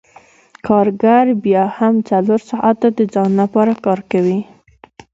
کارګر بیا هم څلور ساعته د ځان لپاره کار کوي